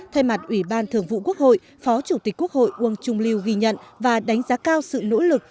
thay mặt ủy ban thường vụ quốc hội phó chủ tịch quốc hội uông trung lưu ghi nhận và đánh giá cao sự nỗ lực